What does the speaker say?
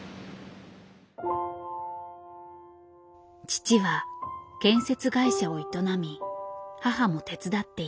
父は建設会社を営み母も手伝っていた。